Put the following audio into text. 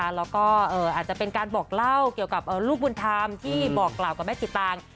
แล้วก็อาจจะเป็นการบอกเล่าเกี่ยวกับลูกบุญธรรมที่บอกกล่าวกับแม่จิตาง